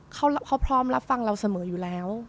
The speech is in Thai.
เขาพร้อมเอาสมวนฟังเราเสมออยู่แล้ว